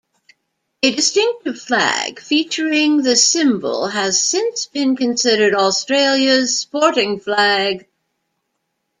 A distinctive flag featuring the symbol has since been considered "Australia's sporting flag".